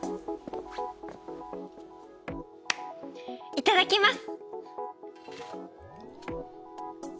いただきます！